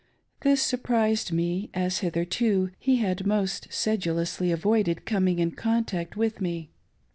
This" surprised me, as hitherto he had most sedulously avoided coming in contact with me.